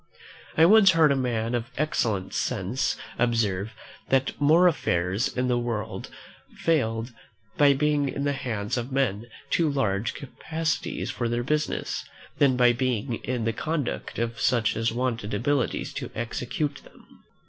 I once heard a man of excellent sense observe, that more affairs in the world failed by being in the hands of men of too large capacities for their business, than by being in the conduct of such as wanted abilities to execute them.